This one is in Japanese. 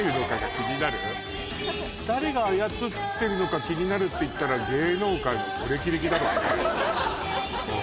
「誰が操ってるのか気になる」っていったら芸能界のご歴々だろうね